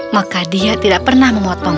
maka dia tidak pernah memotong